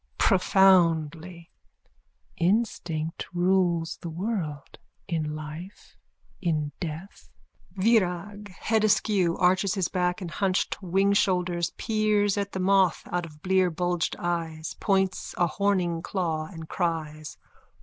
(Profoundly.) Instinct rules the world. In life. In death. VIRAG: _(Head askew, arches his back and hunched wingshoulders, peers at the moth out of blear bulged eyes, points a horning claw and cries.)